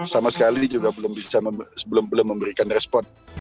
sama sekali juga belum bisa belum belum memberikan respon